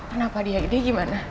kenapa dia dia gimana